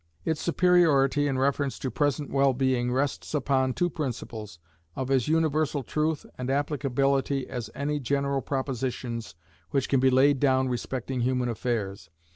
Its superiority in reference to present well being rests upon two principles, of as universal truth and applicability as any general propositions which can be laid down respecting human affairs.